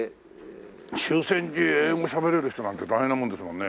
終戦時英語しゃべれる人なんて大変なもんですもんね。